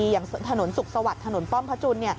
อย่างถนนสุขสวัสดิ์ถนนป้อมพระจุล